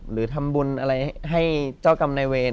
หรือทำบุญอะไรให้เจ้ากรรมนายเวร